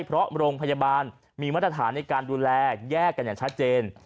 เพราะโรงพยาบาลมีมาตรฐานในการดูแลแยกกันอย่างชัดเจน